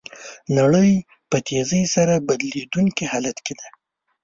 نړۍ په تېزۍ سره بدلیدونکي حالت کې ده.